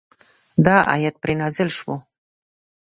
دا آیت پرې نازل شو.